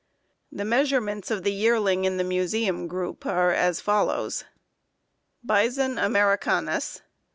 The measurements of the yearling in the Museum group are as follows: ++ |BISON AMERICANUS.